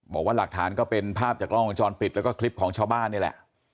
บอกว่าหลักฐานก็เป็นภาพจากกล้องวงจรปิดแล้วก็คลิปของชาวบ้านนี่แหละ